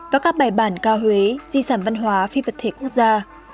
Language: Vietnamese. và các bài bản cao huế di sản văn hóa phi vật thể quốc gia